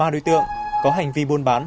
một mươi ba đối tượng có hành vi buôn bán